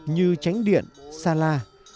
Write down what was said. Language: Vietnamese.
như tránh điện xa la